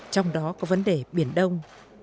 trong đó có vấn đề biển đông